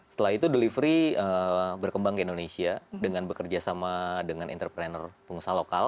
setelah itu delivery berkembang ke indonesia dengan bekerja sama dengan entrepreneur pengusaha lokal